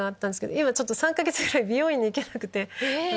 今３か月ぐらい美容院に行けなくて。